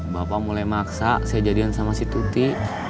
bapak mulai maksa saya jadian sama si tuti